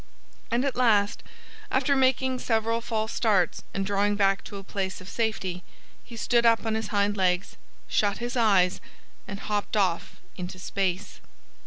And at last, after making several false starts and drawing back to a place of safety, he stood up on his hind legs, shut his eyes, and hopped off into space.